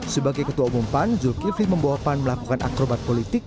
sebagai ketua umum pan zulkifli membawa pan melakukan akrobat politik